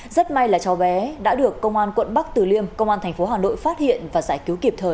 rất may là chó bé đã được công an quận bắc tử liêm công an tp hà nội phát hiện và giải cứu kịp thời